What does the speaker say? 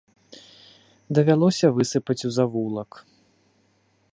Давялося высыпаць у завулак.